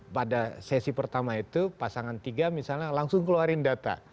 pada sesi pertama itu pasangan tiga misalnya langsung keluarin data